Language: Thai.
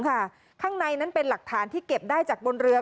ข้างในนั้นเป็นหลักฐานที่เก็บได้จากบนเรือ